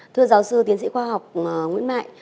thưa giáo sư tiến sĩ khoa học nguyễn mại